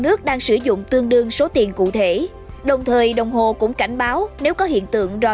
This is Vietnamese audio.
nước đang sử dụng tương đương số tiền cụ thể đồng thời đồng hồ cũng cảnh báo nếu có hiện tượng ro